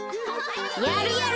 やるやる！